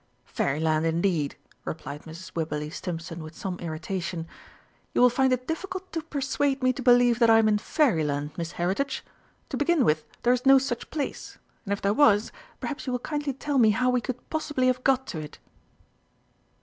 "Fairyland indeed!" replied Mrs. Wibberley Stimpson with some irritation. "You will find it difficult to persuade me to believe that I am in Fairyland, Miss Heritage! To begin with, there is no such place, and if there was, perhaps you will kindly tell me how we could possibly have got to it?"